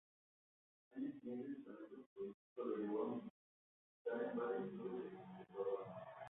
Años siguientes su talento futbolístico lo lleva a militar en varios clubes del Ecuador.